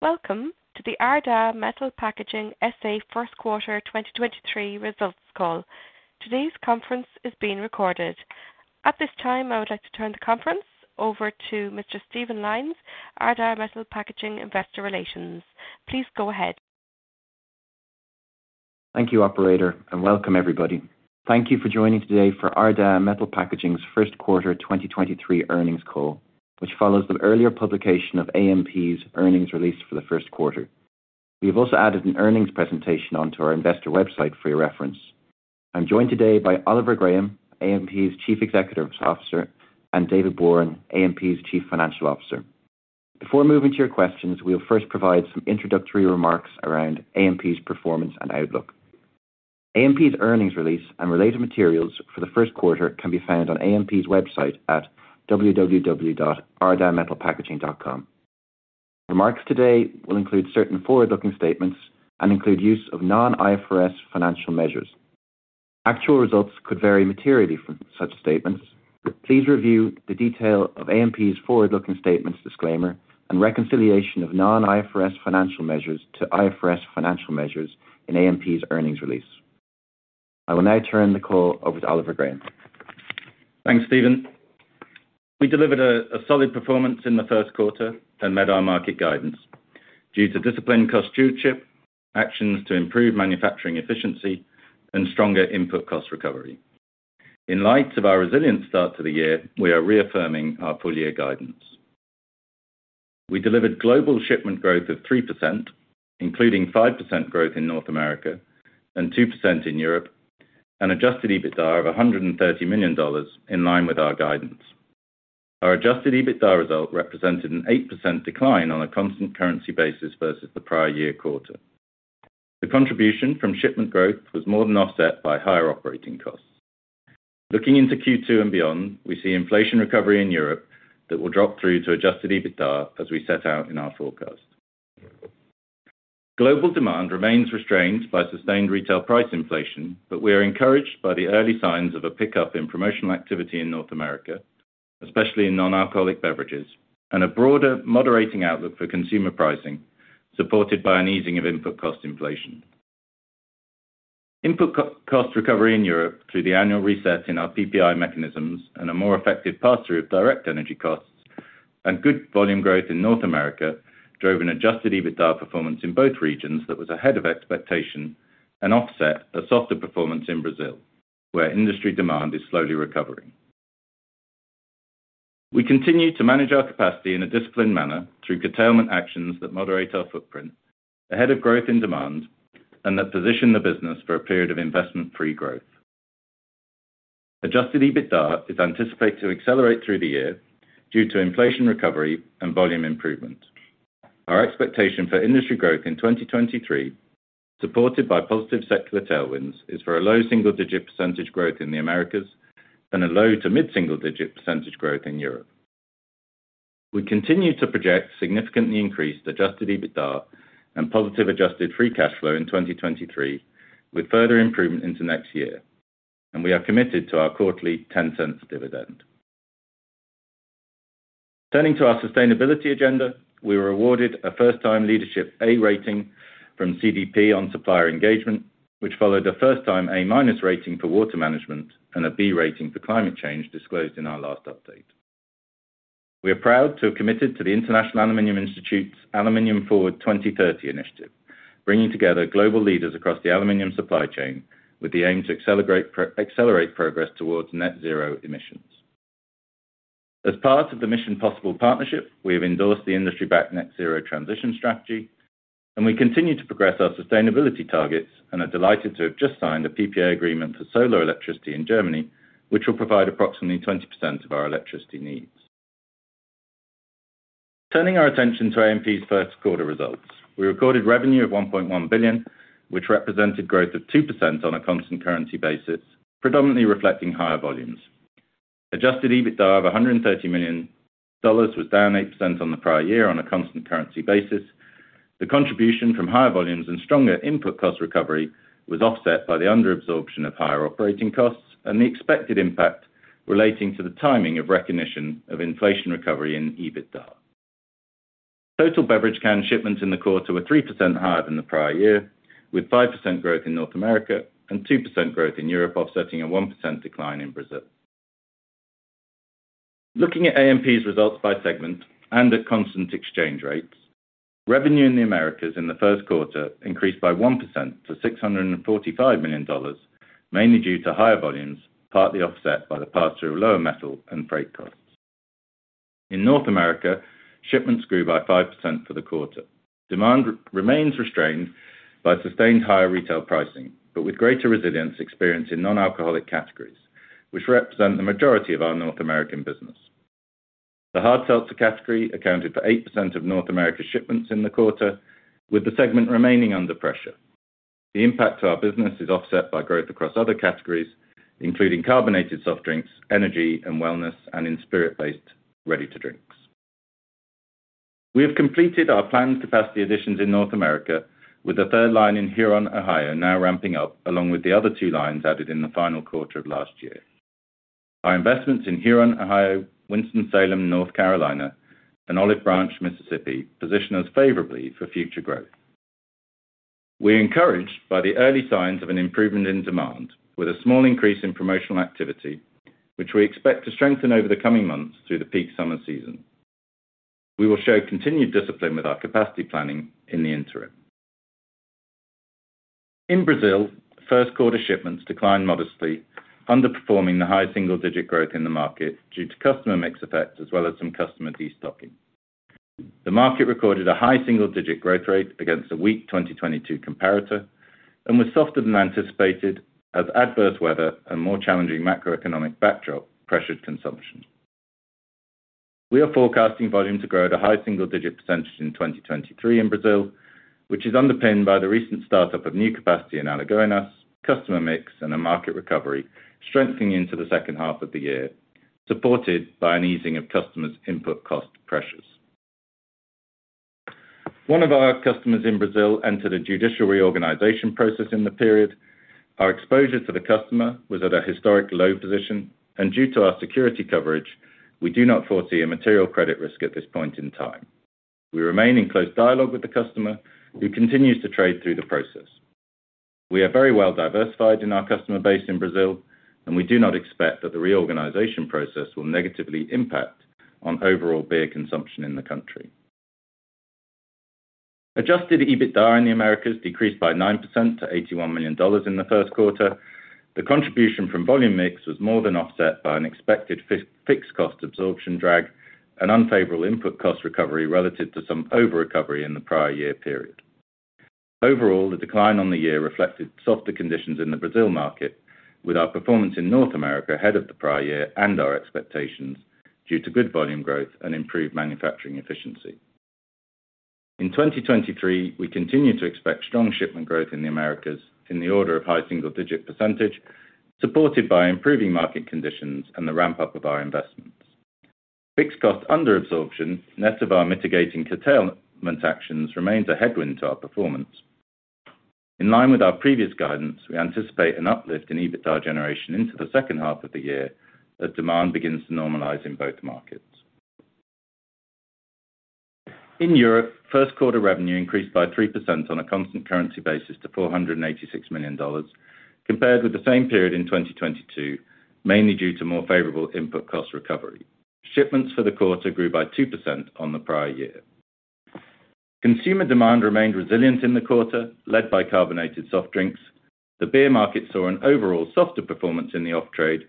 Welcome to the Ardagh Metal Packaging S.A. first quarter 2023 results call. Today's conference is being recorded. At this time, I would like to turn the conference over to Mr. Stephen Lyons, Ardagh Metal Packaging Investor Relations. Please go ahead. Thank you, operator, and welcome, everybody. Thank you for joining today for Ardagh Metal Packaging's first quarter 2023 earnings call, which follows the earlier publication of AMP's earnings release for the first quarter. We have also added an earnings presentation onto our investor website for your reference. I'm joined today by Oliver Graham, AMP's Chief Executive Officer; and David Bourne, AMP's Chief Financial Officer. Before moving to your questions, we'll first provide some introductory remarks around AMP's performance and outlook. AMP's earnings release and related materials for the first quarter can be found on AMP's website at www.ardaghmetalpackaging.com. Remarks today will include certain forward-looking statements and include use of non-IFRS financial measures. Actual results could vary materially from such statements. Please review the detail of AMP's forward-looking statements disclaimer and reconciliation of non-IFRS financial measures to IFRS financial measures in AMP's earnings release. I will now turn the call over to Oliver Graham. Thanks, Stephen. We delivered a solid performance in the first quarter and met our market guidance due to disciplined cost stewardship, actions to improve manufacturing efficiency and stronger input cost recovery. In light of our resilient start to the year, we are reaffirming our full year guidance. We delivered global shipment growth of 3%, including 5% growth in North America and 2% in Europe, and Adjusted EBITDA of $130 million in line with our guidance. Our Adjusted EBITDA result represented an 8% decline on a constant currency basis versus the prior year quarter. The contribution from shipment growth was more than offset by higher operating costs. Looking into Q2 and beyond, we see inflation recovery in Europe that will drop through to Adjusted EBITDA as we set out in our forecast. Global demand remains restrained by sustained retail price inflation, but we are encouraged by the early signs of a pickup in promotional activity in North America, especially in non-alcoholic beverages, and a broader moderating outlook for consumer pricing, supported by an easing of input cost inflation. Input cost recovery in Europe through the annual reset in our PPI mechanisms and a more effective pass-through of direct energy costs and good volume growth in North America drove an Adjusted EBITDA performance in both regions that was ahead of expectation and offset a softer performance in Brazil, where industry demand is slowly recovering. We continue to manage our capacity in a disciplined manner through curtailment actions that moderate our footprint ahead of growth in demand and that position the business for a period of investment free growth. Adjusted EBITDA is anticipated to accelerate through the year due to inflation recovery and volume improvement. Our expectation for industry growth in 2023, supported by positive secular tailwinds, is for a low single-digit % growth in the Americas and a low to mid single-digit % growth in Europe. We continue to project significantly increased Adjusted EBITDA and positive adjusted free cash flow in 2023 with further improvement into next year. We are committed to our quarterly $0.10 dividend. Turning to our sustainability agenda, we were awarded a first time leadership A rating from CDP on supplier engagement, which followed a first time A minus rating for water management and a B rating for climate change disclosed in our last update. We are proud to have committed to the International Aluminium Institute's Aluminium Forward 2030 initiative, bringing together global leaders across the aluminium supply chain with the aim to accelerate progress towards net zero emissions. As part of the Mission Possible Partnership, we have endorsed the industry backed net zero transition strategy, and we continue to progress our sustainability targets and are delighted to have just signed a PPA agreement for solar electricity in Germany, which will provide approximately 20% of our electricity needs. Turning our attention to AMP's first quarter results. We recorded revenue of $1.1 billion, which represented growth of 2% on a constant currency basis, predominantly reflecting higher volumes. Adjusted EBITDA of $130 million was down 8% on the prior year on a constant currency basis. The contribution from higher volumes and stronger input cost recovery was offset by the under absorption of higher operating costs and the expected impact relating to the timing of recognition of inflation recovery in EBITDA. Total beverage can shipments in the quarter were 3% higher than the prior year, with 5% growth in North America and 2% growth in Europe offsetting a 1% decline in Brazil. Looking at AMP's results by segment and at constant exchange rates, revenue in the Americas in the first quarter increased by 1% to $645 million, mainly due to higher volumes, partly offset by the pass-through of lower metal and freight costs. In North America, shipments grew by 5% for the quarter. Demand remains restrained by sustained higher retail pricing. With greater resilience experienced in non-alcoholic categories, which represent the majority of our North American business. The hard seltzer category accounted for 8% of North America shipments in the quarter, with the segment remaining under pressure. The impact to our business is offset by growth across other categories, including carbonated soft drinks, energy and wellness, and in spirit-based ready-to-drinks. We have completed our planned capacity additions in North America with the third line in Huron, Ohio now ramping up along with the other two lines added in the final quarter of last year. Our investments in Huron, Ohio, Winston-Salem, North Carolina, and Olive Branch, Mississippi, position us favorably for future growth. We're encouraged by the early signs of an improvement in demand with a small increase in promotional activity, which we expect to strengthen over the coming months through the peak summer season. We will show continued discipline with our capacity planning in the interim. In Brazil, first quarter shipments declined modestly, underperforming the high single-digit growth in the market due to customer mix effects as well as some customer destocking. The market recorded a high single-digit growth rate against a weak 2022 comparator, and was softer than anticipated as adverse weather and more challenging macroeconomic backdrop pressured consumption. We are forecasting volume to grow at a high single-digit percentage in 2023 in Brazil, which is underpinned by the recent start-up of new capacity in Alagoas, customer mix, and a market recovery strengthening into the second half of the year, supported by an easing of customers' input cost pressures. One of our customers in Brazil entered a judicial reorganization process in the period. Our exposure to the customer was at a historic low position, and due to our security coverage, we do not foresee a material credit risk at this point in time. We remain in close dialogue with the customer who continues to trade through the process. We are very well diversified in our customer base in Brazil, and we do not expect that the reorganization process will negatively impact on overall beer consumption in the country. Adjusted EBITDA in the Americas decreased by 9% to $81 million in the first quarter. The contribution from volume mix was more than offset by an expected fixed cost absorption drag and unfavorable input cost recovery relative to some over-recovery in the prior year period. Overall, the decline on the year reflected softer conditions in the Brazil market with our performance in North America ahead of the prior year and our expectations due to good volume growth and improved manufacturing efficiency. In 2023, we continue to expect strong shipment growth in the Americas in the order of high single-digit percentage, supported by improving market conditions and the ramp-up of our investments. Fixed cost under absorption, net of our mitigating curtailment actions remains a headwind to our performance. In line with our previous guidance, we anticipate an uplift in EBITDA generation into the second half of the year as demand begins to normalize in both markets. In Europe, first quarter revenue increased by 3% on a constant currency basis to $486 million, compared with the same period in 2022, mainly due to more favorable input cost recovery. Shipments for the quarter grew by 2% on the prior year. Consumer demand remained resilient in the quarter, led by carbonated soft drinks. The beer market saw an overall softer performance in the off trade,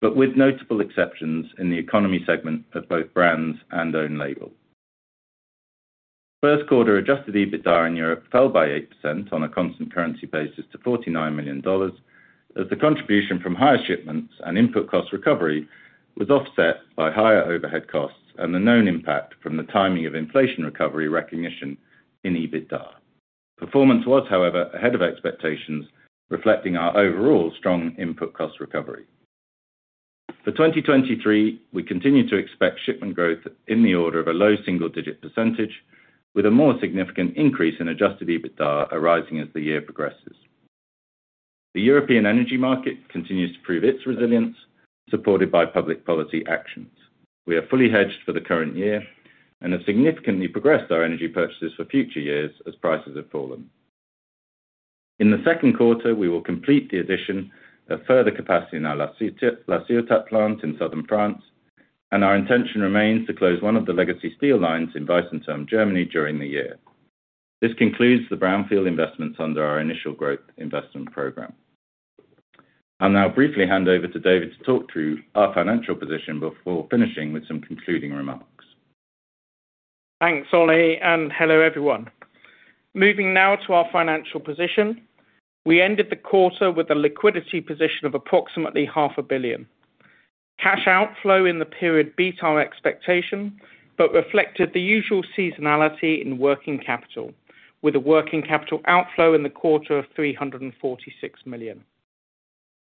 but with notable exceptions in the economy segment of both brands and own label. First quarter Adjusted EBITDA in Europe fell by 8% on a constant currency basis to $49 million, as the contribution from higher shipments and input cost recovery was offset by higher overhead costs and the known impact from the timing of inflation recovery recognition in EBITDA. Performance was, however, ahead of expectations, reflecting our overall strong input cost recovery. For 2023, we continue to expect shipment growth in the order of a low single-digit percentage, with a more significant increase in Adjusted EBITDA arising as the year progresses. The European energy market continues to prove its resilience, supported by public policy actions. We are fully hedged for the current year and have significantly progressed our energy purchases for future years as prices have fallen. In the second quarter, we will complete the addition of further capacity in our La Ciotat plant in Southern France. Our intention remains to close one of the legacy steel lines in Weißenthurm, Germany during the year. This concludes the brownfield investments under our initial growth investment program. I'll now briefly hand over to David to talk through our financial position before finishing with some concluding remarks. Thanks, Ollie. Hello, everyone. Moving now to our financial position. We ended the quarter with a liquidity position of approximately half a billion. Cash outflow in the period beat our expectation, but reflected the usual seasonality in working capital, with a working capital outflow in the quarter of $346 million.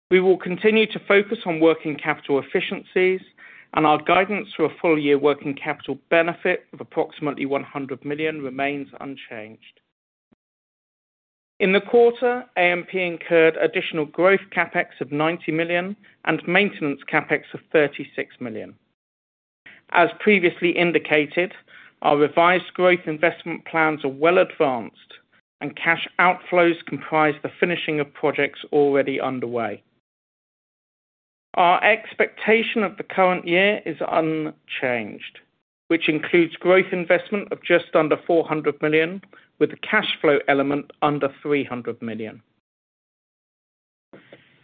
We will continue to focus on working capital efficiencies and our guidance to a full year working capital benefit of approximately $100 million remains unchanged. In the quarter, AMP incurred additional growth CapEx of $90 million and maintenance CapEx of $36 million. As previously indicated, our revised growth investment plans are well advanced and cash outflows comprise the finishing of projects already underway. Our expectation of the current year is unchanged, which includes growth investment of just under $400 million, with a cash flow element under $300 million.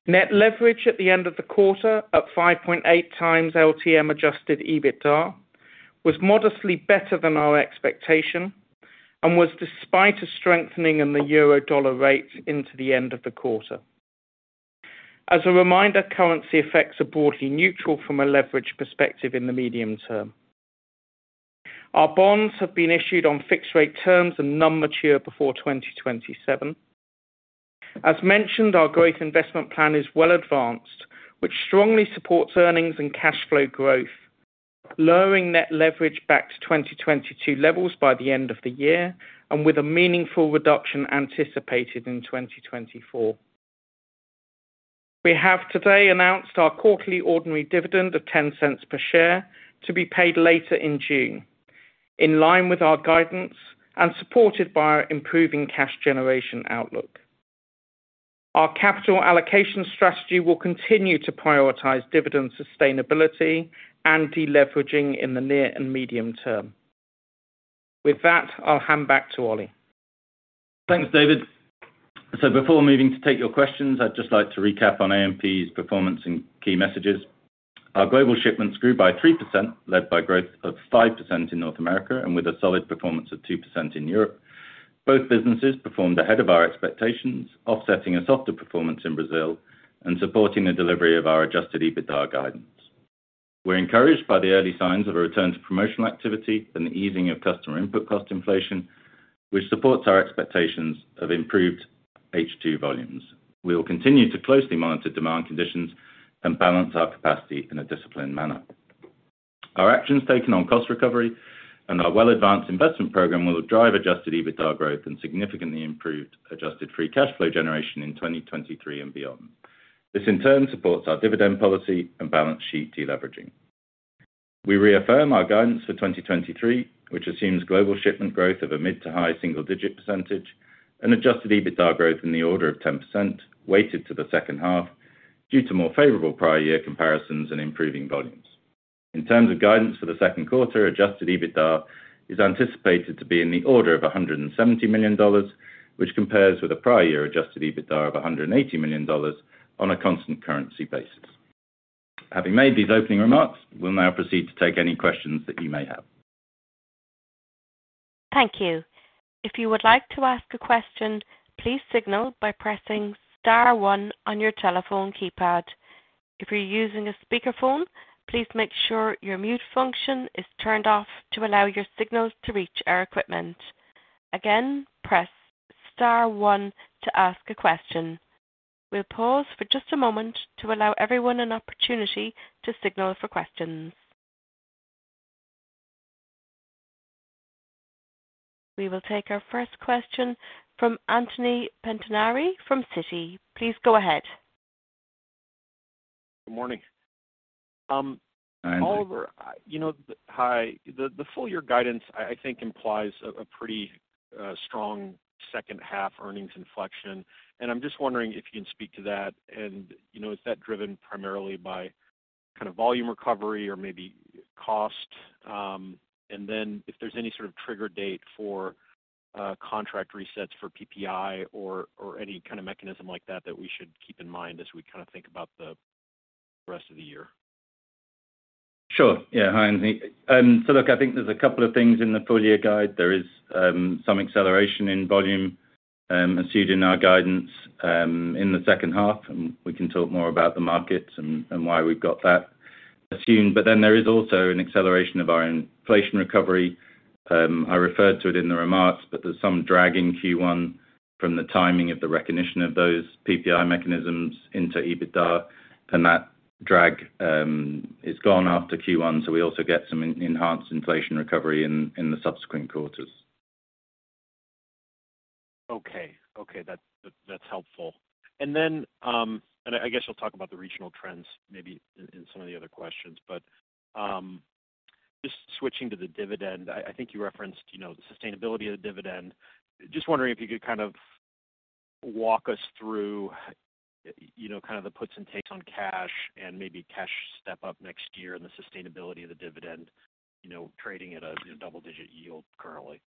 Net leverage at the end of the quarter at 5.8x LTM Adjusted EBITDA was modestly better than our expectation and was despite a strengthening in the Euro-Dollar rate into the end of the quarter. As a reminder, currency effects are broadly neutral from a leverage perspective in the medium term. Our bonds have been issued on fixed rate terms and none mature before 2027. As mentioned, our growth investment plan is well advanced, which strongly supports earnings and cash flow growth. Lowering net leverage back to 2022 levels by the end of the year and with a meaningful reduction anticipated in 2024. We have today announced our quarterly ordinary dividend of $0.10 per share to be paid later in June, in line with our guidance and supported by our improving cash generation outlook. Our capital allocation strategy will continue to prioritize dividend sustainability and deleveraging in the near and medium term. With that, I'll hand back to Ollie. Thanks, David. Before moving to take your questions, I'd just like to recap on AMP's performance and key messages. Our global shipments grew by 3%, led by growth of 5% in North America and with a solid performance of 2% in Europe. Both businesses performed ahead of our expectations, offsetting a softer performance in Brazil and supporting the delivery of our Adjusted EBITDA guidance. We're encouraged by the early signs of a return to promotional activity and the easing of customer input cost inflation, which supports our expectations of improved H2 volumes. We will continue to closely monitor demand conditions and balance our capacity in a disciplined manner. Our actions taken on cost recovery and our well-advanced investment program will drive Adjusted EBITDA growth and significantly improved adjusted free cash flow generation in 2023 and beyond. This, in turn, supports our dividend policy and balance sheet deleveraging. We reaffirm our guidance for 2023, which assumes global shipment growth of a mid to high single-digit percentage and Adjusted EBITDA growth in the order of 10% weighted to the second half due to more favorable prior year comparisons and improving volumes. In terms of guidance for the second quarter, Adjusted EBITDA is anticipated to be in the order of $170 million, which compares with the prior year Adjusted EBITDA of $180 million on a constant currency basis. Having made these opening remarks, we'll now proceed to take any questions that you may have. Thank you. If you would like to ask a question, please signal by pressing star one on your telephone keypad. If you're using a speakerphone, please make sure your mute function is turned off to allow your signals to reach our equipment. Again, press star one to ask a question. We'll pause for just a moment to allow everyone an opportunity to signal for questions. We will take our first question from Anthony Pettinari from Citi. Please go ahead. Good morning. Hi, Anthony. Oliver, you know, hi. The full year guidance, I think implies a pretty strong second half earnings inflection, and I'm just wondering if you can speak to that and, you know, is that driven primarily by kind of volume recovery or maybe cost? If there's any sort of trigger date for contract resets for PPI or any kind of mechanism like that we should keep in mind as we kind of think about the rest of the year? Sure. Yeah. Hi, Anthony. Look, I think there's a couple of things in the full year guide. There is some acceleration in volume assumed in our guidance in the second half. We can talk more about the markets and why we've got that assumed. There is also an acceleration of our inflation recovery. I referred to it in the remarks. There's some drag in Q1 from the timing of the recognition of those PPI mechanisms into EBITDA and that drag is gone after Q1. We also get some enhanced inflation recovery in the subsequent quarters. Okay. Okay. That's helpful. I guess you'll talk about the regional trends maybe in some of the other questions. Just switching to the dividend, I think you referenced, you know, the sustainability of the dividend. Just wondering if you could kind of walk us through, you know, kind of the puts and takes on cash and maybe cash step up next year and the sustainability of the dividend, you know, trading at a, you know, double-digit yield currently?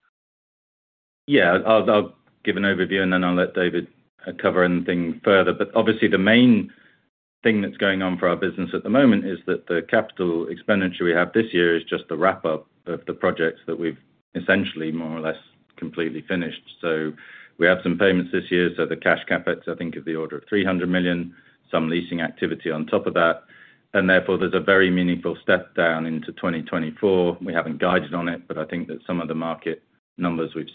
Yeah. I'll give an overview, and then I'll let David cover anything further. Obviously the main thing that's going on for our business at the moment is that the capital expenditure we have this year is just the wrap up of the projects that we've essentially more or less completely finished. We have some payments this year. The cash CapEx, I think, is the order of $300 million, some leasing activity on top of that. Therefore, there's a very meaningful step down into 2024. We haven't guided on it, but I think that some of the market numbers we've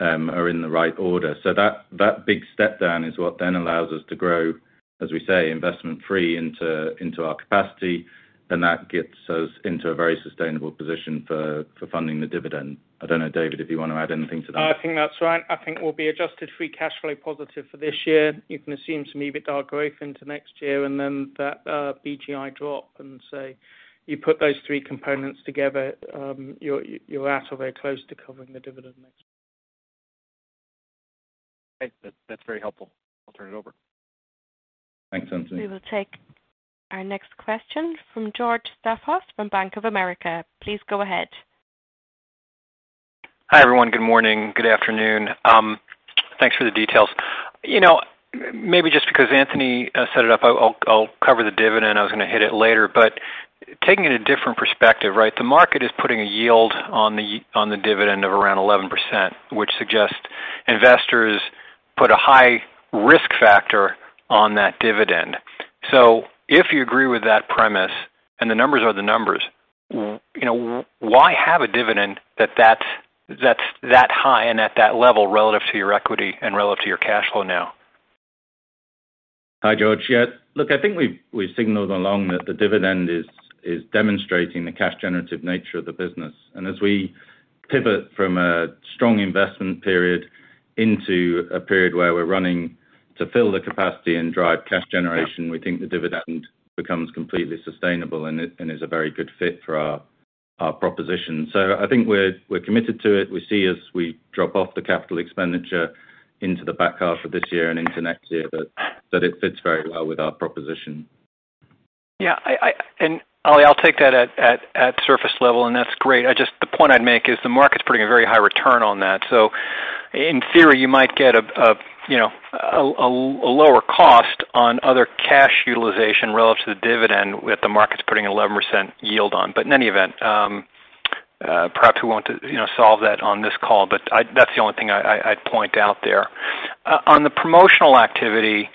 seen are in the right order. That big step down is what then allows us to grow, as we say, investment free into our capacity, and that gets us into a very sustainable position for funding the dividend. I don't know, David, if you wanna add anything to that. I think that's right. I think we'll be adjusted free cash flow positive for this year. You can assume some EBITDA growth into next year and then that BGI drop and say you put those three components together, you're at or very close to covering the dividend next year. Okay. That's very helpful. I'll turn it over. Thanks, Anthony. We will take our next question from George Staphos from Bank of America. Please go ahead. Hi, everyone. Good morning. Good afternoon. thanks for the details. You know, maybe just because Anthony set it up, I'll cover the dividend. I was gonna hit it later. Taking a different perspective, right? The market is putting a yield on the on the dividend of around 11%, which suggests investors put a high risk factor on that dividend. If you agree with that premise, and the numbers are the numbers, you know, why have a dividend that's that high and at that level relative to your equity and relative to your cash flow now? Hi, George. Yeah, look, I think we've signaled along that the dividend is demonstrating the cash generative nature of the business. As we pivot from a strong investment period into a period where we're running to fill the capacity and drive cash generation, we think the dividend becomes completely sustainable and is a very good fit for our proposition. I think we're committed to it. We see as we drop off the capital expenditure into the back half of this year and into next year that it fits very well with our proposition. Yeah. Ollie, I'll take that at surface level, and that's great. The point I'd make is the market's putting a very high return on that. In theory, you might get a, you know, a lower cost on other cash utilization relative to the dividend with the markets putting 11% yield on. In any event, perhaps we won't, you know, solve that on this call, but that's the only thing I'd point out there. On the promotional activity,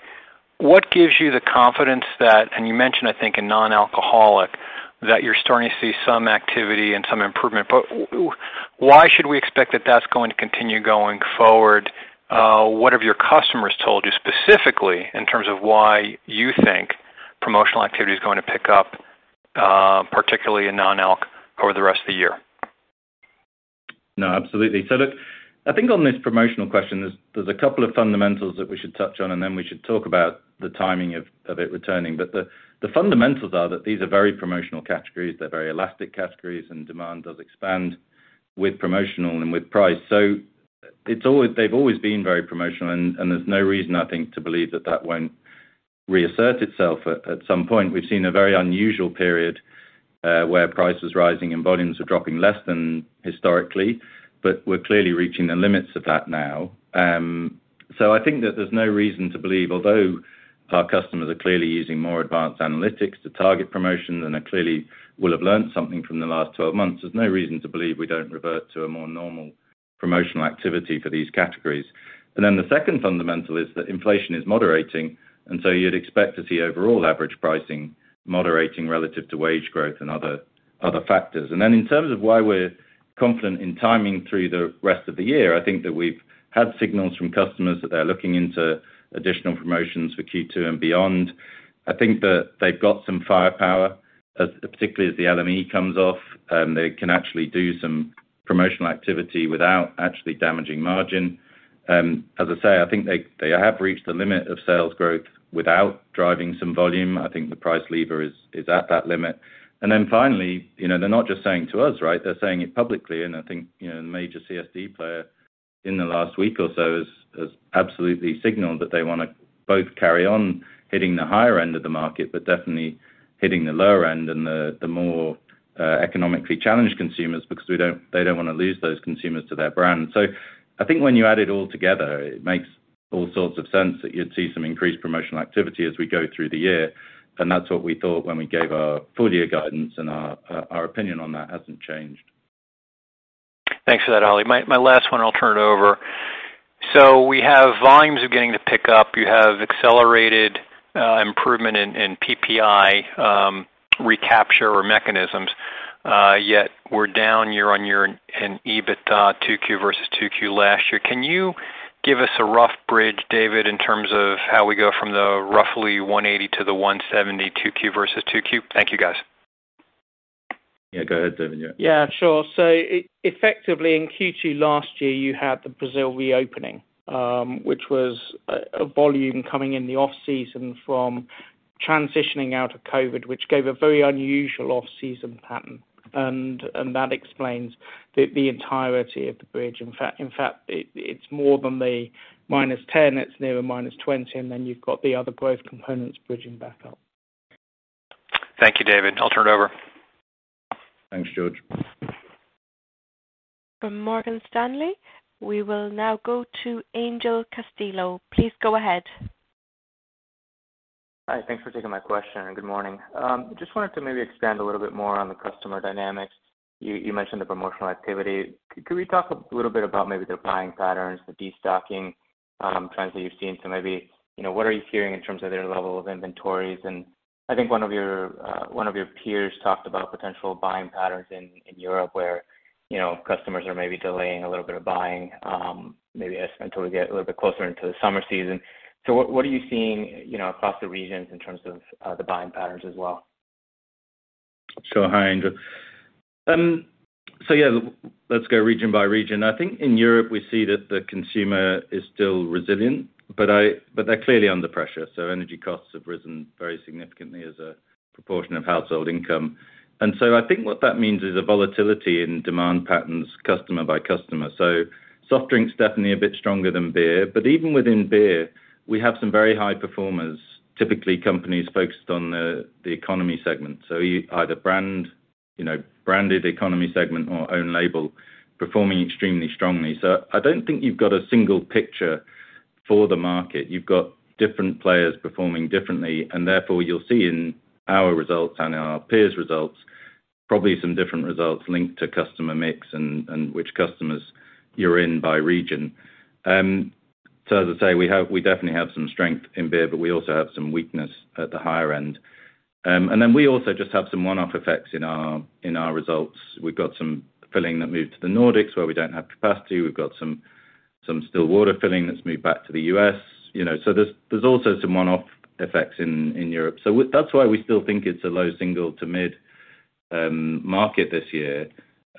what gives you the confidence that, and you mentioned, I think in non-alcoholic, that you're starting to see some activity and some improvement. Why should we expect that that's going to continue going forward? What have your customers told you specifically in terms of why you think promotional activity is going to pick up, particularly in non-alc over the rest of the year? No, absolutely. Look, I think on this promotional question, there's a couple of fundamentals that we should touch on, and then we should talk about the timing of it returning. The fundamentals are that these are very promotional categories, they're very elastic categories, and demand does expand with promotional and with price. They've always been very promotional, and there's no reason, I think, to believe that that won't reassert itself at some point. We've seen a very unusual period, where price is rising and volumes are dropping less than historically, but we're clearly reaching the limits of that now. I think that there's no reason to believe, although our customers are clearly using more advanced analytics to target promotion than are clearly will have learned something from the last 12 months, there's no reason to believe we don't revert to a more normal promotional activity for these categories. The second fundamental is that inflation is moderating, and so you'd expect to see overall average pricing moderating relative to wage growth and other factors. In terms of why we're confident in timing through the rest of the year, I think that we've had signals from customers that they're looking into additional promotions for Q2 and beyond. I think that they've got some firepower as, particularly as the LME comes off, they can actually do some promotional activity without actually damaging margin. As I say, I think they have reached the limit of sales growth without driving some volume. I think the price lever is at that limit. Finally, you know, they're not just saying to us, right? They're saying it publicly, and I think, you know, the major CSD player in the last week or so has absolutely signaled that they wanna both carry on hitting the higher end of the market, but definitely hitting the lower end and the more economically challenged consumers because they don't wanna lose those consumers to their brand. I think when you add it all together, it makes all sorts of sense that you'd see some increased promotional activity as we go through the year. That's what we thought when we gave our full year guidance and our opinion on that hasn't changed. Thanks for that, Oli. My last one, I'll turn it over. We have volumes are getting to pick up. You have accelerated improvement in PPI recapture or mechanisms, yet we're down year-on-year in EBITDA 2Q versus 2Q last year. Can you give us a rough bridge, David, in terms of how we go from the roughly $180 to the $170 2Q versus 2Q? Thank you, guys. Yeah, go ahead, David. Yeah, sure. Effectively in Q2 last year, you had the Brazil reopening, which was a volume coming in the off-season from transitioning out of COVID, which gave a very unusual off-season pattern. That explains the entirety of the bridge. In fact, it's more than the -10, it's nearer -20, and then you've got the other growth components bridging back up. Thank you, David. I'll turn it over. Thanks, George. From Morgan Stanley, we will now go to Angel Castillo. Please go ahead. Hi. Thanks for taking my question, and good morning. Just wanted to maybe expand a little bit more on the customer dynamics. You, you mentioned the promotional activity. Could we talk a little bit about maybe the buying patterns, the destocking, trends that you've seen? Maybe, you know, what are you hearing in terms of their level of inventories? I think one of your, one of your peers talked about potential buying patterns in Europe where, you know, customers are maybe delaying a little bit of buying, maybe as until we get a little bit closer into the summer season. What are you seeing, you know, across the regions in terms of, the buying patterns as well? Sure. Hi, Angel. Yeah, let's go region by region. I think in Europe, we see that the consumer is still resilient, but they're clearly under pressure. Energy costs have risen very significantly as a proportion of household income. I think what that means is a volatility in demand patterns, customer by customer. Soft drinks definitely a bit stronger than beer. Even within beer, we have some very high performers, typically companies focused on the economy segment. Either brand, you know, branded economy segment or own label, performing extremely strongly. I don't think you've got a single picture for the market. You've got different players performing differently, and therefore, you'll see in our results and in our peers results, probably some different results linked to customer mix and which customers you're in by region. As I say, we definitely have some strength in beer, but we also have some weakness at the higher end. We also just have some one-off effects in our results. We've got some filling that moved to the Nordics where we don't have capacity. We've got some still water filling that's moved back to the U.S., you know. There's also some one-off effects in Europe. That's why we still think it's a low single to mid market this year.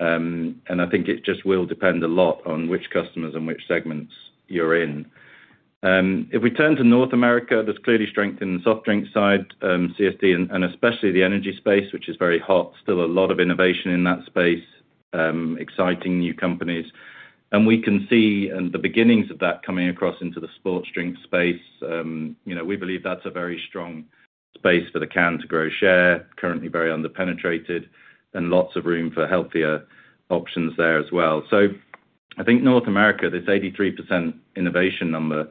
I think it just will depend a lot on which customers and which segments you're in. If we turn to North America, there's clearly strength in the soft drink side, CSD and especially the energy space, which is very hot. Still a lot of innovation in that space, exciting new companies. We can see the beginnings of that coming across into the sports drink space. You know, we believe that's a very strong space for the can to grow share, currently very under-penetrated and lots of room for healthier options there as well. I think North America, this 83% innovation number,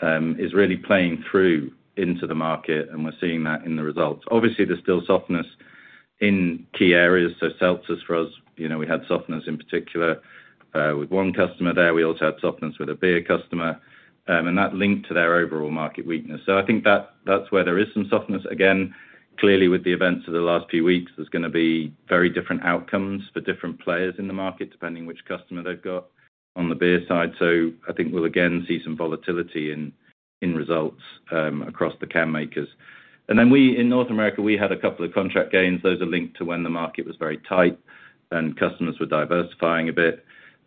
is really playing through into the market, and we're seeing that in the results. Obviously, there's still softness in key areas. Seltzers for us, you know, we had softness in particular with one customer there. We also had softness with a beer customer, and that linked to their overall market weakness. I think that's where there is some softness. Clearly with the events of the last few weeks, there's gonna be very different outcomes for different players in the market, depending which customer they've got on the beer side. I think we'll again see some volatility in results across the can makers. In North America, we had a couple of contract gains. Those are linked to when the market was very tight and customers were diversifying a bit.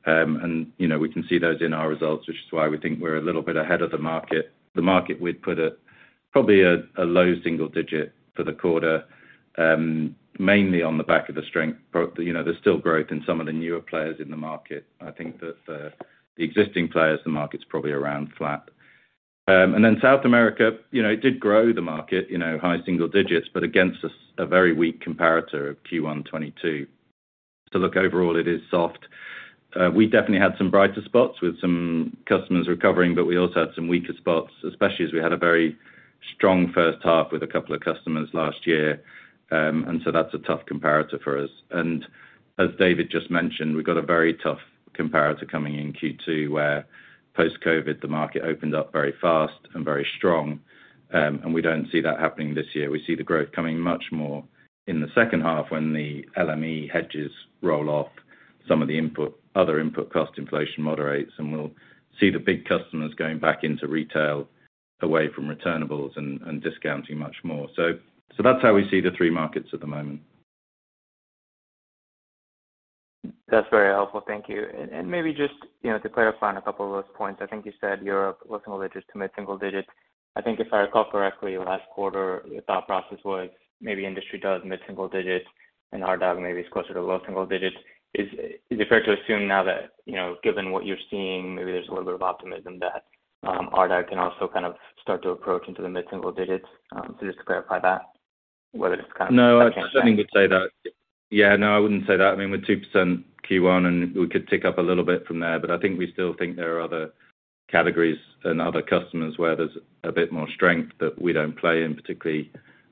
You know, we can see those in our results, which is why we think we're a little bit ahead of the market. The market we'd put at probably a low single digit for the quarter, mainly on the back of the strength. You know, there's still growth in some of the newer players in the market. I think that for the existing players, the market's probably around flat. South America, you know, it did grow the market, you know, high single digits, but against a very weak comparator of Q1 2022. Look, overall, it is soft. We definitely had some brighter spots with some customers recovering, but we also had some weaker spots, especially as we had a very strong first half with a couple of customers last year. That's a tough comparator for us. As David just mentioned, we've got a very tough comparator coming in Q2, where post-COVID, the market opened up very fast and very strong. We don't see that happening this year. We see the growth coming much more in the second half when the LME hedges roll off some of the input, other input cost inflation moderates, and we'll see the big customers going back into retail away from returnables and discounting much more. That's how we see the three markets at the moment. That's very helpful. Thank you. Maybe just, you know, to clarify on a couple of those points. I think you said Europe low single digits to mid single digits. I think if I recall correctly, last quarter, the thought process was maybe industry does mid single digits and Ardagh maybe is closer to low single digits. Is it fair to assume now that, you know, given what you're seeing, maybe there's a little bit of optimism that Ardagh can also kind of start to approach into the mid-single digits? Just to clarify that, whether it's kind of- No, I certainly wouldn't say that. Yeah, no, I wouldn't say that. I mean, we're 2% Q1, and we could tick up a little bit from there. I think we still think there are other categories and other customers where there's a bit more strength that we don't play in, particularly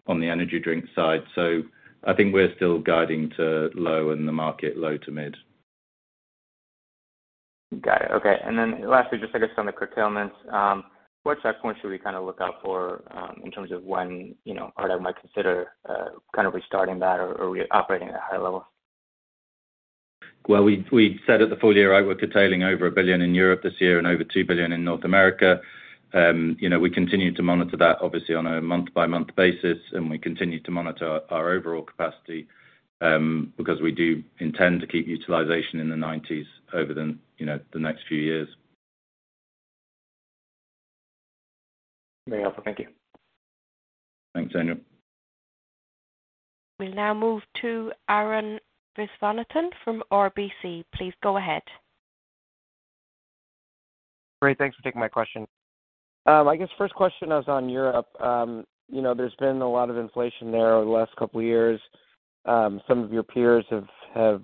on the energy drink side. I think we're still guiding to low in the market, low to mid. Got it. Okay. Lastly, just I guess on the curtailments, what checkpoints should we kinda look out for, in terms of when, you know, Ardagh might consider, kind of restarting that or operating at a high level? Well, we said at the full year, we're curtailing over $1 billion in Europe this year and over $2 billion in North America. You know, we continue to monitor that obviously on a month-by-month basis, we continue to monitor our overall capacity, because we do intend to keep utilization in the 90s over the, you know, the next few years. Very helpful. Thank you. Thanks, Angel. We'll now move to Arun Viswanathan from RBC. Please go ahead. Great. Thanks for taking my question. I guess first question was on Europe. You know, there's been a lot of inflation there over the last couple of years. Some of your peers have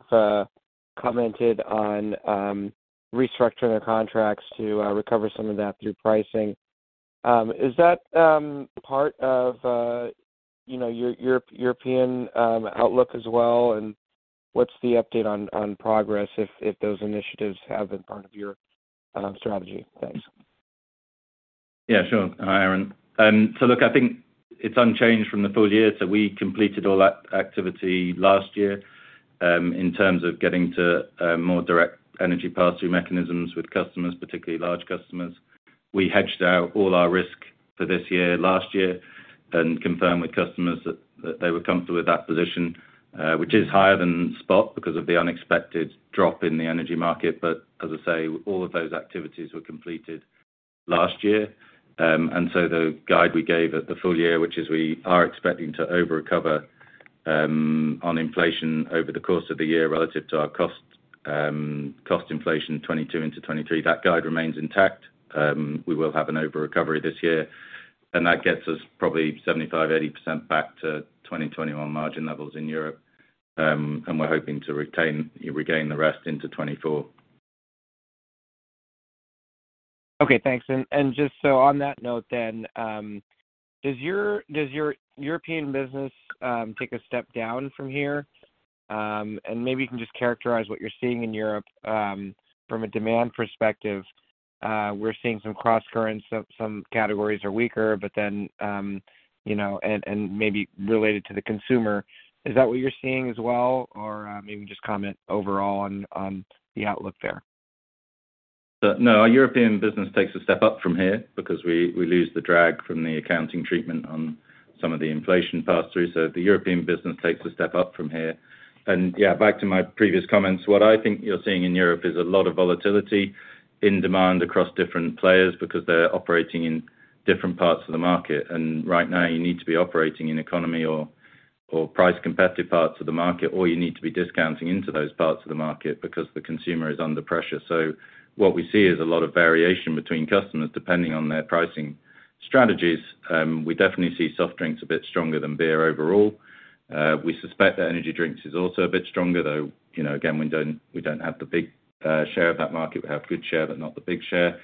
commented on restructuring their contracts to recover some of that through pricing. Is that part of, you know, your European outlook as well, and what's the update on progress if those initiatives have been part of your strategy? Thanks. Sure. Hi, Arun. Look, I think it's unchanged from the full year. We completed all that activity last year, in terms of getting to more direct energy pass-through mechanisms with customers, particularly large customers. We hedged out all our risk for this year, last year, and confirmed with customers that they were comfortable with that position, which is higher than spot because of the unexpected drop in the energy market. As I say, all of those activities were completed last year. The guide we gave at the full year, which is we are expecting to over recover on inflation over the course of the year relative to our cost inflation 2022 into 2023. That guide remains intact. We will have an over recovery this year, and that gets us probably 75%-80% back to 2021 margin levels in Europe. We're hoping to retain, regain the rest into 2024. Okay, thanks. Just so on that note then, does your European business take a step down from here? Maybe you can just characterize what you're seeing in Europe from a demand perspective. We're seeing some cross currents. Some categories are weaker, but then, you know, and maybe related to the consumer. Is that what you're seeing as well? Maybe just comment overall on the outlook there. Our European business takes a step up from here because we lose the drag from the accounting treatment on some of the inflation pass through. The European business takes a step up from here. Yeah, back to my previous comments. What I think you're seeing in Europe is a lot of volatility in demand across different players because they're operating in different parts of the market. Right now you need to be operating in economy or price competitive parts of the market, or you need to be discounting into those parts of the market because the consumer is under pressure. What we see is a lot of variation between customers depending on their pricing strategies. We definitely see soft drinks a bit stronger than beer overall. We suspect that energy drinks is also a bit stronger, though, you know, again, we don't, we don't have the big share of that market. We have good share, but not the big share.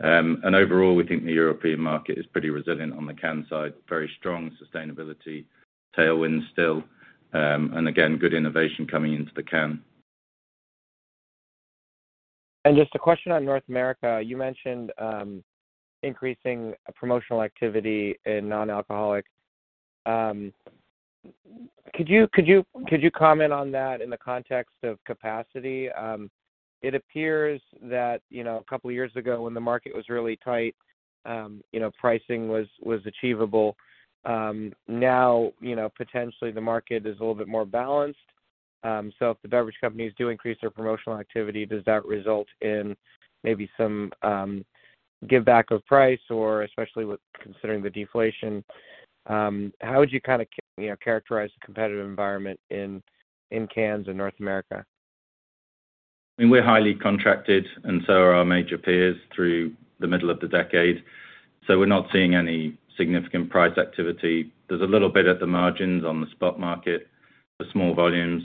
Overall, we think the European market is pretty resilient on the can side. Very strong sustainability tailwind still, and again, good innovation coming into the can. Just a question on North America. You mentioned, increasing promotional activity in non-alcoholic. Could you comment on that in the context of capacity? It appears that, you know, a couple of years ago when the market was really tight, you know, pricing was achievable. Now, you know, potentially the market is a little bit more balanced. So if the beverage companies do increase their promotional activity, does that result in maybe some, give back of price, or especially with considering the deflation, how would you kinda, you know, characterize the competitive environment in cans in North America? I mean, we're highly contracted, and so are our major peers through the middle of the decade, so we're not seeing any significant price activity. There's a little bit at the margins on the spot market for small volumes,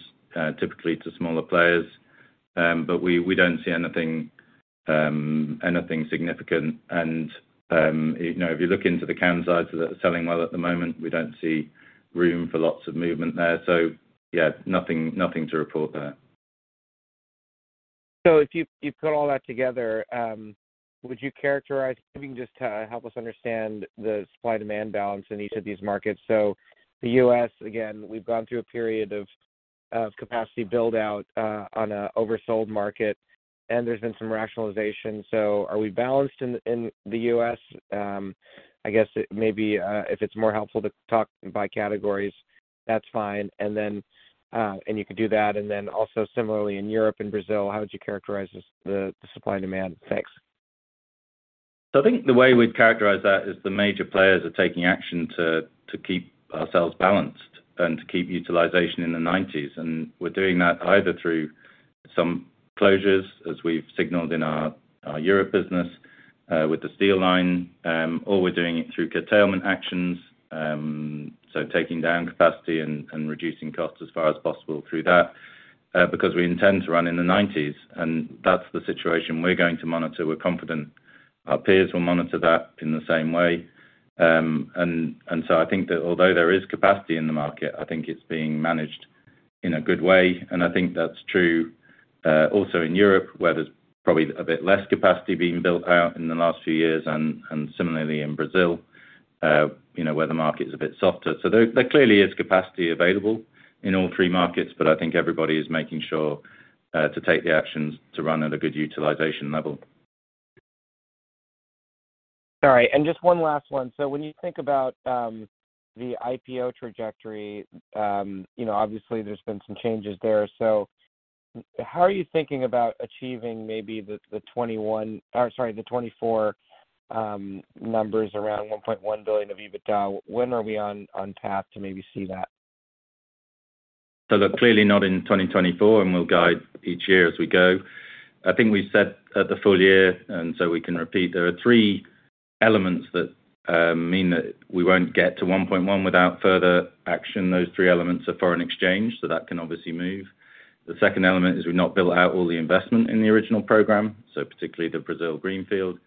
typically to smaller players. But we don't see anything significant. You know, if you look into the can sides that are selling well at the moment, we don't see room for lots of movement there. Yeah, nothing to report there. If you put all that together, would you characterize, if you can just help us understand the supply-demand balance in each of these markets? The U.S., again, we've gone through a period of capacity build out on an oversold market, and there's been some rationalization. Are we balanced in the U.S? I guess it maybe, if it's more helpful to talk by categories, that's fine. You could do that, and then also similarly in Europe and Brazil, how would you characterize the supply and demand? Thanks. I think the way we'd characterize that is the major players are taking action to keep ourselves balanced and to keep utilization in the 90s. We're doing that either through some closures, as we've signaled in our Europe business, with the steel line, or we're doing it through curtailment actions, so taking down capacity and reducing costs as far as possible through that, because we intend to run in the 90s. That's the situation we're going to monitor. We're confident our peers will monitor that in the same way. I think that although there is capacity in the market, I think it's being managed in a good way. I think that's true, also in Europe, where there's probably a bit less capacity being built out in the last few years and, similarly in Brazil, you know, where the market is a bit softer. There, there clearly is capacity available in all three markets, but I think everybody is making sure, to take the actions to run at a good utilization level. All right. Just one last one. When you think about the IPO trajectory, you know, obviously there's been some changes there. How are you thinking about achieving maybe the 21 or, sorry, the 24 numbers around $1.1 billion of EBITDA? When are we on path to maybe see that? Look, clearly not in 2024, and we'll guide each year as we go. I think we said at the full year, and so we can repeat, there are three elements that mean that we won't get to 1.1 without further action. Those three elements are foreign exchange, so that can obviously move. The second element is we've not built out all the investment in the original program, so particularly the Brazil Greenfield.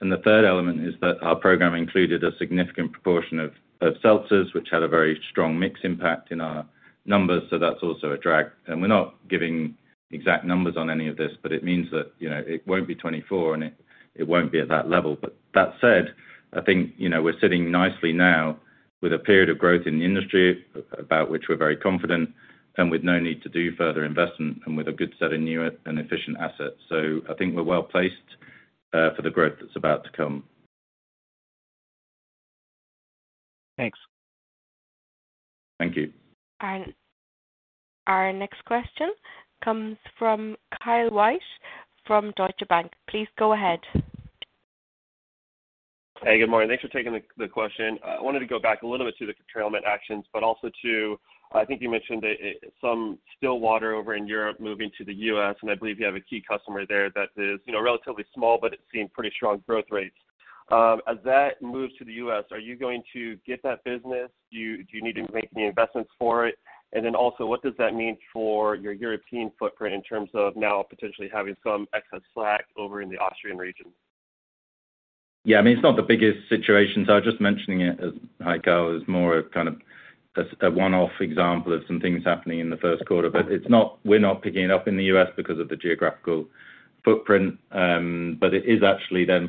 The third element is that our program included a significant proportion of seltzers, which had a very strong mix impact in our numbers. That's also a drag. We're not giving exact numbers on any of this, but it means that, you know, it won't be 24, and it won't be at that level. That said, I think, you know, we're sitting nicely now with a period of growth in the industry about which we're very confident and with no need to do further investment and with a good set of new and efficient assets. I think we're well-placed for the growth that's about to come. Thanks. Thank you. Our next question comes from Kyle White from Deutsche Bank. Please go ahead. Hey, good morning. Thanks for taking the question. I wanted to go back a little bit to the curtailment actions, but also to, I think you mentioned that some still water over in Europe moving to the U.S., and I believe you have a key customer there that is, you know, relatively small, but it's seeing pretty strong growth rates. As that moves to the U.S., are you going to get that business? Do you need to make any investments for it? Also, what does that mean for your European footprint in terms of now potentially having some excess slack over in the Austrian region? Yeah, I mean, it's not the biggest situation. I was just mentioning it as, like I was more a kind of as a one-off example of some things happening in the first quarter. We're not picking it up in the U.S. because of the geographical footprint. It is actually then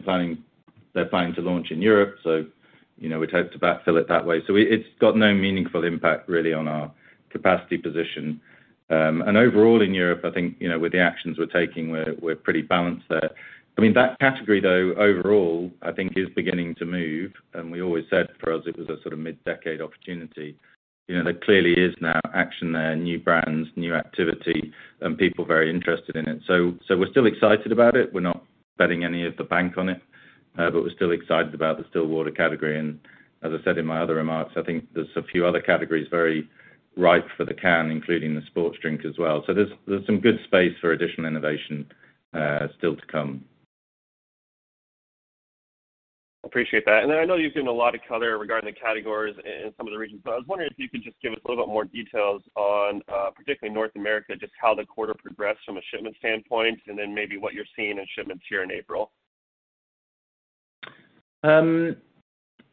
they're planning to launch in Europe, you know, we'd hope to backfill it that way. It's got no meaningful impact really on our capacity position. Overall in Europe, I think, you know, with the actions we're taking, we're pretty balanced there. I mean, that category, though, overall, I think is beginning to move. We always said for us it was a sort of mid-decade opportunity. You know, there clearly is now action there, new brands, new activity, and people very interested in it. We're still excited about it. We're not betting any of the bank on it, but we're still excited about the still water category. As I said in my other remarks, I think there's a few other categories very ripe for the can, including the sports drink as well. There's some good space for additional innovation still to come. Appreciate that. Then I know you've given a lot of color regarding the categories in some of the regions, but I was wondering if you could just give us a little bit more details on particularly North America, just how the quarter progressed from a shipment standpoint and then maybe what you're seeing in shipments here in April?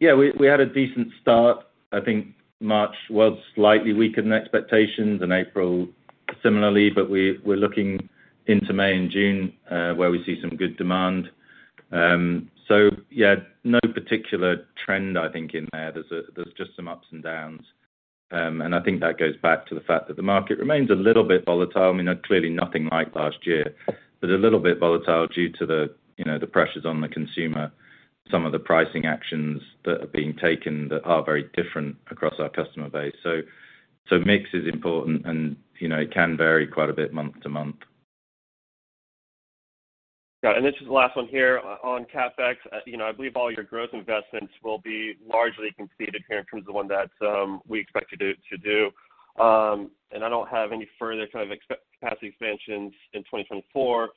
Yeah, we had a decent start. I think March was slightly weaker than expectations and April similarly, but we're looking into May and June, where we see some good demand. Yeah, no particular trend, I think, in there. There's just some ups and downs. I think that goes back to the fact that the market remains a little bit volatile. I mean, clearly nothing like last year, but a little bit volatile due to the, you know, the pressures on the consumer, some of the pricing actions that are being taken that are very different across our customer base. Mix is important and, you know, it can vary quite a bit month to month. Got it. This is the last one here. On CapEx, you know, I believe all your growth investments will be largely conceded here in terms of one that, we expect you to do. I don't have any further capacity expansions in 2024.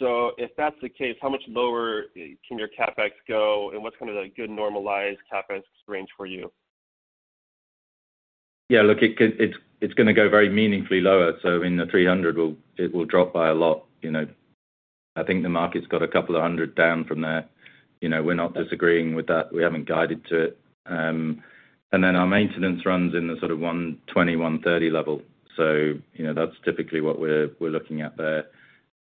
If that's the case, how much lower can your CapEx go and what's kind of a good normalized CapEx range for you? Yeah. Look, it's gonna go very meaningfully lower. In the 300, it will drop by a lot. You know, I think the market's got 200 down from there. You know, we're not disagreeing with that. We haven't guided to it. Then our maintenance runs in the sort of 120, 130 level. You know, that's typically what we're looking at there.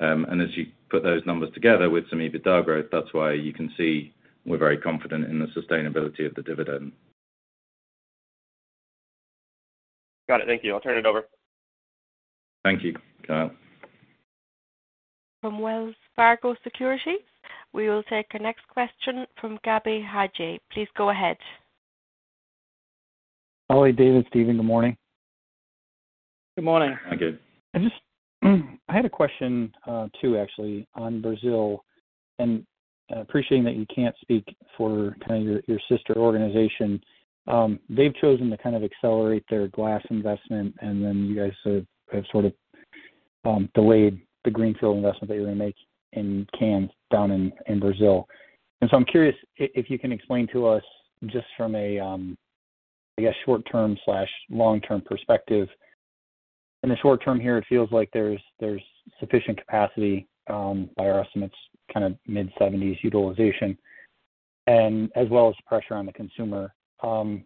As you put those numbers together with some EBITDA growth, that's why you can see we're very confident in the sustainability of the dividend. Got it. Thank you. I'll turn it over. Thank you, Kyle. From Wells Fargo Securities. We will take our next question from Gabe Hajde. Please go ahead. Hi, David, Stephen. Good morning. Good morning. Hi, Gabe. I just had a question, too, actually, on Brazil. Appreciating that you can't speak for kind of your sister organization. They've chosen to kind of accelerate their glass investment, and then you guys have sort of delayed the greenfield investment that you're gonna make in cans down in Brazil. I'm curious if you can explain to us just from a, I guess short-term/long-term perspective. In the short term here, it feels like there's sufficient capacity, by our estimates, kind of mid-70s utilization, and as well as pressure on the consumer. On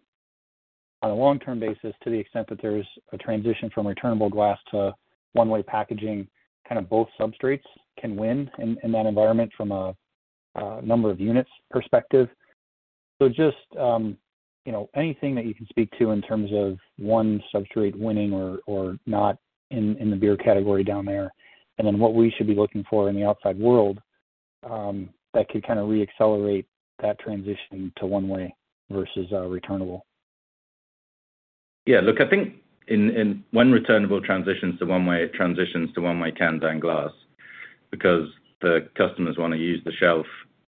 a long-term basis, to the extent that there's a transition from returnable glass to one-way packaging, kind of both substrates can win in that environment from a number of units perspective. Just, you know, anything that you can speak to in terms of one substrate winning or not in the beer category down there, and then what we should be looking for in the outside world, that could kind of reaccelerate that transition to one-way versus a returnable. Look, I think when returnable transitions to one-way, it transitions to one-way cans and glass because the customers wanna use the shelf,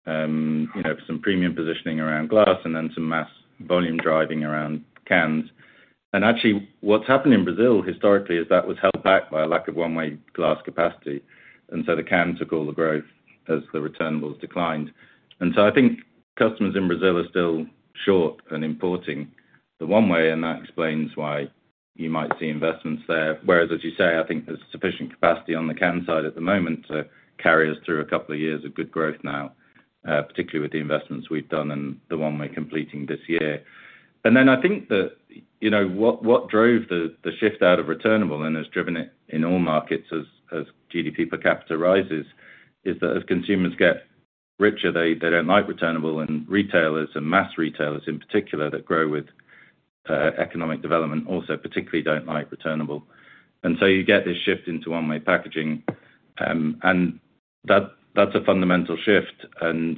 you know, for some premium positioning around glass and then some mass volume driving around cans. Actually what's happened in Brazil historically is that was held back by a lack of one-way glass capacity, and so the can took all the growth as the returnables declined. I think customers in Brazil are still short and importing the one-way, and that explains why you might see investments there. Whereas as you say, I think there's sufficient capacity on the can side at the moment to carry us through a couple of years of good growth now, particularly with the investments we've done and the one we're completing this year. I think that, you know, what drove the shift out of returnable and has driven it in all markets as GDP per capita rises, is that as consumers get richer, they don't like returnable, and retailers and mass retailers in particular that grow with economic development also particularly don't like returnable. You get this shift into one-way packaging, and that's a fundamental shift and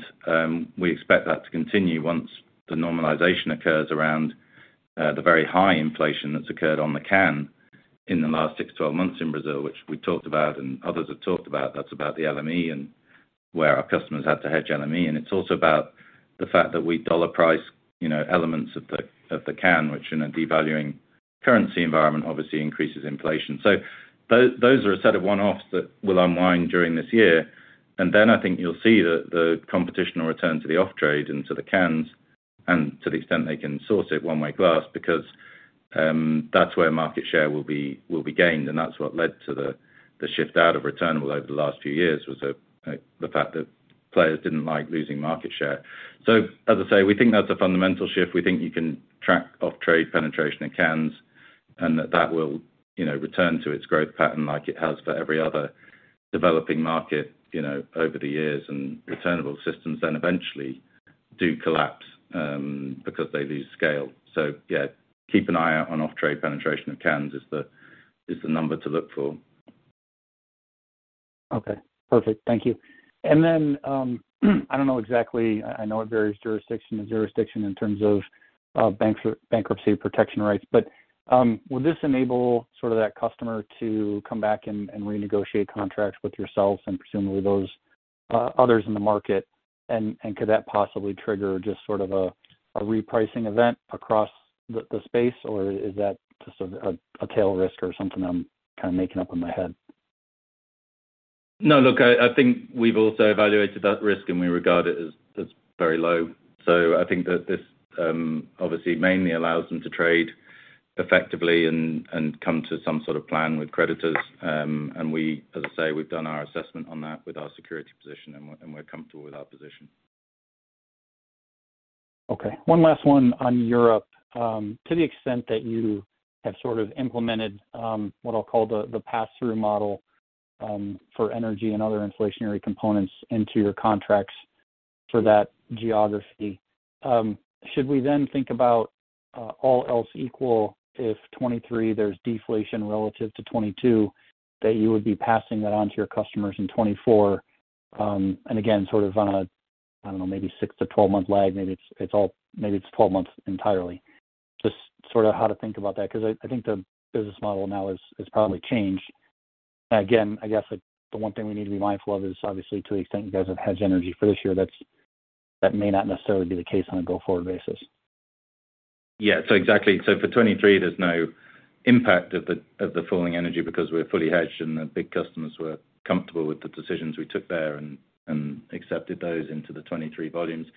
we expect that to continue once the normalization occurs around the very high inflation that's occurred on the can in the last six, 12 months in Brazil, which we talked about and others have talked about. That's about the LME and where our customers had to hedge LME. It's also about the fact that we dollar price, you know, elements of the can, which in a devaluing currency environment obviously increases inflation. Those are a set of one-offs that will unwind during this year. Then I think you'll see the competition will return to the off-trade into the cans. To the extent they can source it one way glass because that's where market share will be gained, and that's what led to the shift out of returnable over the last few years was the fact that players didn't like losing market share. As I say, we think that's a fundamental shift. We think you can track off-trade penetration in cans and that that will, you know, return to its growth pattern like it has for every other developing market, you know, over the years and returnable systems then eventually do collapse, because they lose scale. Yeah, keep an eye out on off-trade penetration of cans is the number to look for. Okay. Perfect. Thank you. Then, I don't know exactly. I know it varies jurisdiction to jurisdiction in terms of bankruptcy protection rights. Would this enable sort of that customer to come back and renegotiate contracts with yourselves and presumably those others in the market? Could that possibly trigger just sort of a repricing event across the space, or is that just a tail risk or something I'm kinda making up in my head? No, look, I think we've also evaluated that risk, we regard it as very low. I think that this obviously mainly allows them to trade effectively and come to some sort of plan with creditors. We, as I say, we've done our assessment on that with our security position and we're comfortable with our position. Okay. One last one on Europe. To the extent that you have sort of implemented, what I'll call the pass-through model, for energy and other inflationary components into your contracts for that geography, should we then think about, all else equal if 2023 there's deflation relative to 2022, that you would be passing that on to your customers in 2024, and again, sort of on a, I don't know, maybe six to 12 month lag, maybe it's 12 months entirely? Just sort of how to think about that, 'cause I think the business model now has probably changed. I guess, like, the one thing we need to be mindful is obviously to the extent you guys have hedged energy for this year, that may not necessarily be the case on a go-forward basis. Yeah. Exactly. For 2023, there's no impact of the falling energy because we're fully hedged and the big customers were comfortable with the decisions we took there and accepted those into the 2023 volumes.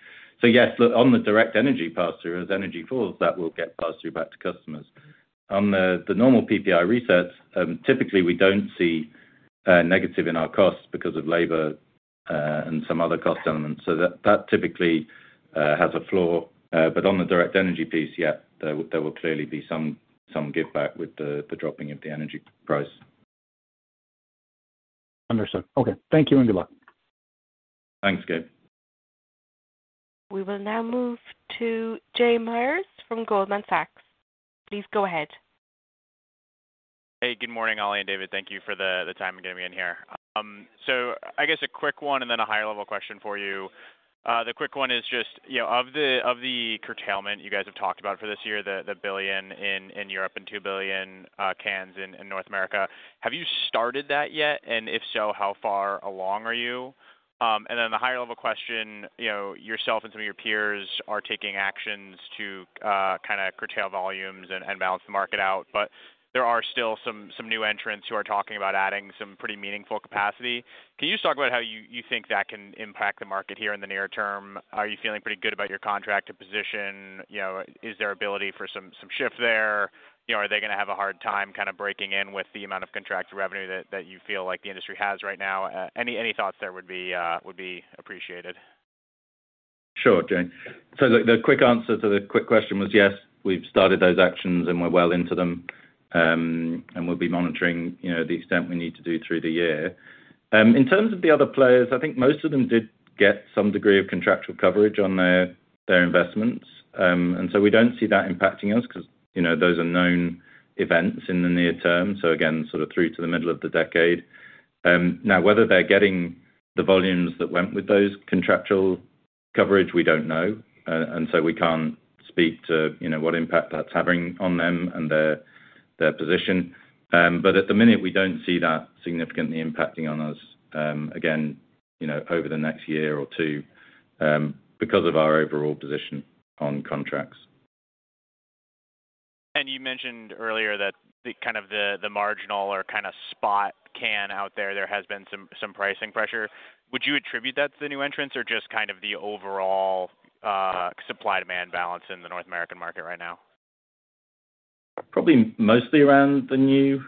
Yes, look, on the direct energy pass-through, as energy falls, that will get passed through back to customers. On the normal PPI resets, typically we don't see negative in our costs because of labor and some other cost elements. That typically has a floor. On the direct energy piece, yeah, there will clearly be some give back with the dropping of the energy price. Understood. Okay. Thank you and good luck. Thanks, Gabe. We will now move to Jay Mayers from Goldman Sachs. Please go ahead. Hey, good morning, Ollie and David. Thank you for the time of getting me in here. I guess a quick one and then a higher level question for you. The quick one is just, you know, of the curtailment you guys have talked about for this year, the 1 billion in Europe and 2 billion cans in North America, have you started that yet? If so, how far along are you? The higher level question, you know, yourself and some of your peers are taking actions to kinda curtail volumes and balance the market out. There are still some new entrants who are talking about adding some pretty meaningful capacity. Can you just talk about how you think that can impact the market here in the near term? Are you feeling pretty good about your contracted position? You know, is there ability for some shift there? You know, are they gonna have a hard time kinda breaking in with the amount of contracted revenue that you feel like the industry has right now? Any thoughts there would be appreciated. Sure, Jay. The quick answer to the quick question was, yes, we've started those actions, and we're well into them. We'll be monitoring, you know, the extent we need to do through the year. In terms of the other players, I think most of them did get some degree of contractual coverage on their investments. We don't see that impacting us 'cause, you know, those are known events in the near term, so again, sort of through to the middle of the decade. Now, whether they're getting the volumes that went with those contractual coverage, we don't know, we can't speak to, you know, what impact that's having on them and their position. At the minute, we don't see that significantly impacting on us, again, you know, over the next year or two, because of our overall position on contracts. You mentioned earlier that the kind of the marginal or kinda spot can out there has been some pricing pressure. Would you attribute that to the new entrants or just kind of the overall, supply-demand balance in the North American market right now? Probably mostly around the new.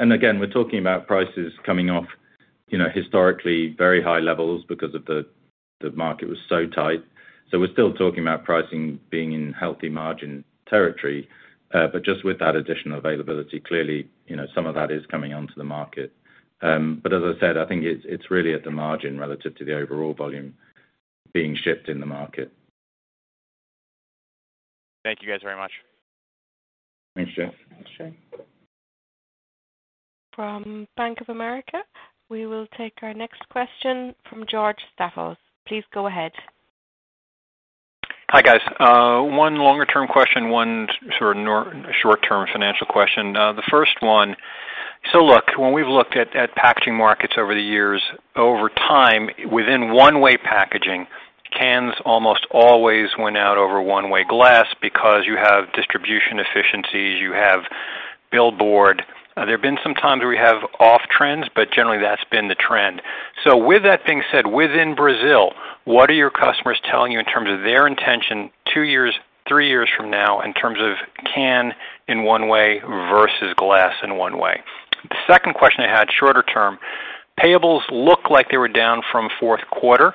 Again, we're talking about prices coming off, you know, historically very high levels because of the market was so tight. We're still talking about pricing being in healthy margin territory. Just with that additional availability, clearly, you know, some of that is coming onto the market. As I said, I think it's really at the margin relative to the overall volume being shipped in the market. Thank you guys very much. Thanks, Jay. From Bank of America, we will take our next question from George Staphos. Please go ahead. Hi, guys. one longer term question, one sort of short term financial question. The first one, when we've looked at packaging markets over the years, over time, within one-way packaging, cans almost always went out over one-way glass because you have distribution efficiency Billboard. There have been some times where we have off trends, but generally that's been the trend. With that being said, within Brazil, what are your customers telling you in terms of their intention two years, three years from now in terms of can in one way versus glass in one way? The second question I had, shorter term. Payables look like they were down from fourth quarter,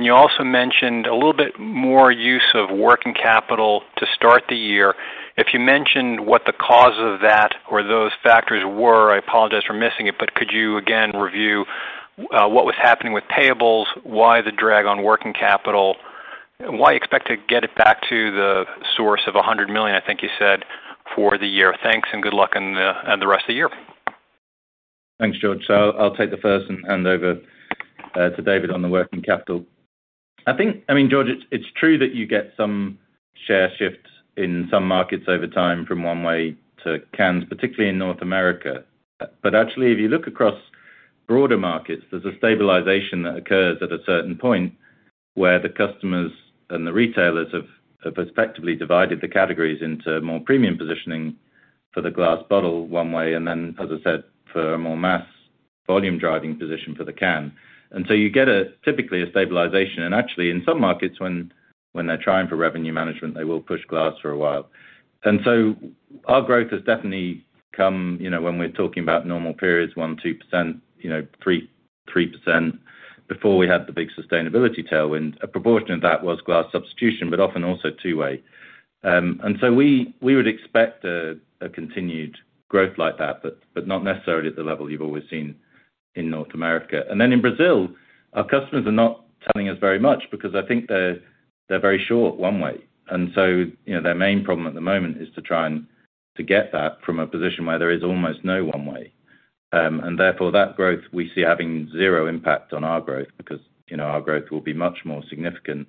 you also mentioned a little bit more use of working capital to start the year. If you mentioned what the cause of that or those factors were, I apologize for missing it, could you again review what was happening with payables, why the drag on working capital? Why expect to get it back to the source of $100 million, I think you said, for the year? Thanks, good luck on the rest of the year. Thanks, George. I'll take the first and hand over to David on the working capital. I mean, George, it's true that you get some share shifts in some markets over time from one way to cans, particularly in North America. Actually, if you look across broader markets, there's a stabilization that occurs at a certain point where the customers and the retailers have effectively divided the categories into more premium positioning for the glass bottle one way, and then, as I said, for a more mass volume driving position for the can. You get typically a stabilization. Actually, in some markets when they're trying for revenue management, they will push glass for a while. Our growth has definitely come, you know, when we're talking about normal periods, 1%, 2%, you know, 3%. Before we had the big sustainability tailwind, a proportion of that was glass substitution, but often also two way. We would expect a continued growth like that, but not necessarily at the level you've always seen in North America. In Brazil, our customers are not telling us very much because I think they're very short one way. You know, their main problem at the moment is to try and to get that from a position where there is almost no one way. That growth we see having zero impact on our growth because, you know, our growth will be much more significant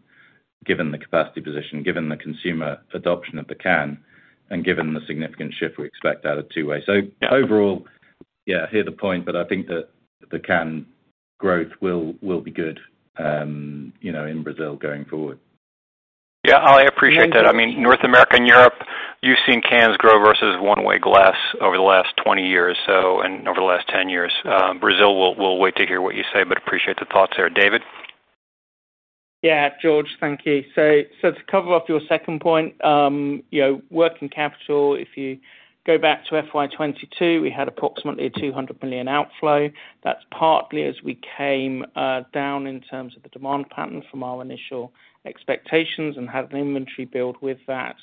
given the capacity position, given the consumer adoption of the can and given the significant shift we expect out of two way. Overall, yeah, I hear the point, but I think the can growth will be good, you know, in Brazil going forward. Yeah. I appreciate that. I mean, North America and Europe, you've seen cans grow versus one way glass over the last 20 years, so and over the last 10 years. Brazil, we'll wait to hear what you say, but appreciate the thoughts there. David? George, thank you. To cover off your second point, you know, working capital, if you go back to FY 2022, we had approximately a $200 million outflow. That's partly as we came down in terms of the demand pattern from our initial expectations and had an inventory build with that.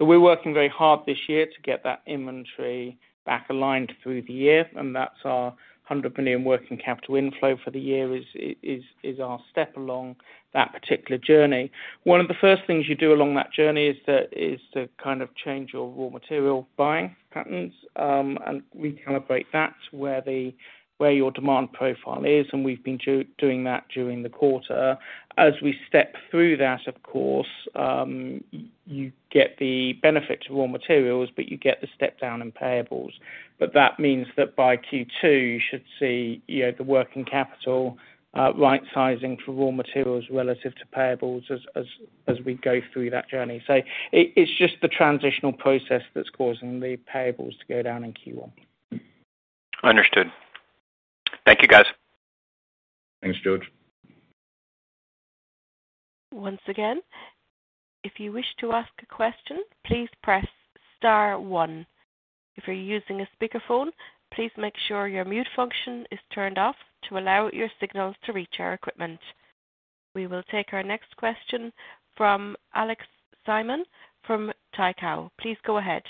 We're working very hard this year to get that inventory back aligned through the year, and that's our $100 million working capital inflow for the year is our step along that particular journey. One of the first things you do along that journey is to kind of change your raw material buying patterns and recalibrate that where your demand profile is, and we've been doing that during the quarter. As we step through that, of course, you get the benefit to raw materials, but you get the step down in payables. That means that by Q2, you should see, you know, the working capital, right sizing for raw materials relative to payables as we go through that journey. It's just the transitional process that's causing the payables to go down in Q1. Understood. Thank you, guys. Thanks, George. Once again, if you wish to ask a question, please press star one. If you're using a speakerphone, please make sure your mute function is turned off to allow your signals to reach our equipment. We will take our next question from Alex Simon from Tikehau. Please go ahead.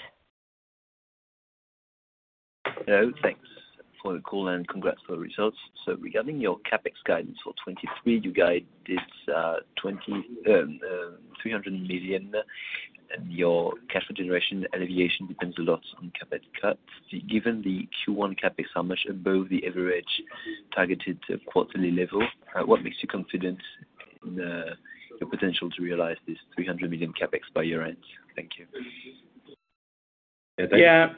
Hello. Thanks for the call, congrats for the results. Regarding your CapEx guidance for 2023, you guided $300 million, your cash generation alleviation depends a lot on CapEx cuts. Given the Q1 CapEx how much above the average targeted quarterly level, what makes you confident in the potential to realize this $300 million CapEx by year-end? Thank you. Yeah.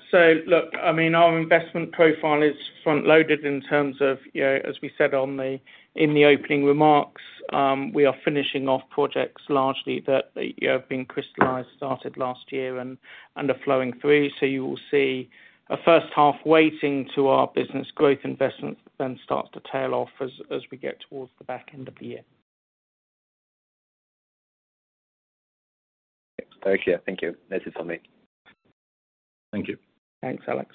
look, I mean, our investment profile is front-loaded in terms of, you know, as we said on the, in the opening remarks, we are finishing off projects largely that, you know, have been crystallized, started last year and are flowing through. You will see a first half weighting to our business growth investments then start to tail off as we get towards the back end of the year. Very clear. Thank you. That's it for me. Thank you. Thanks, Alex.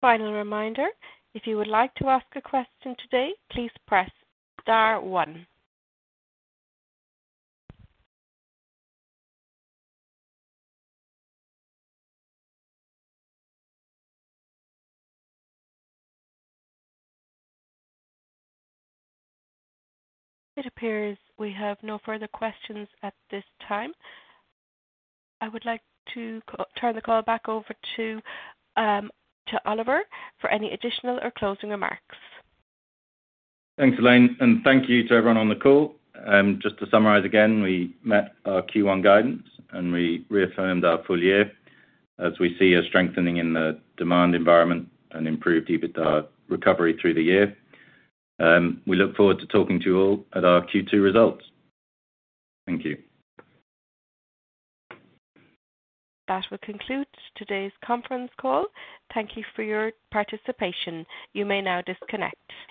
Final reminder. If you would like to ask a question today, please press star one. It appears we have no further questions at this time. I would like to turn the call back over to Oliver for any additional or closing remarks. Thanks, Elaine, and thank you to everyone on the call. Just to summarize again, we met our Q1 guidance, and we reaffirmed our full year as we see a strengthening in the demand environment and improved EBITDA recovery through the year. We look forward to talking to you all at our Q2 results. Thank you. That will conclude today's conference call. Thank you for your participation. You may now disconnect.